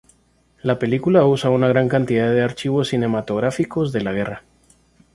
La película usa una gran cantidad de archivos cinematográficos de la guerra.